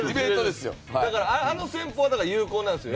だからあの戦法は有効なんですよ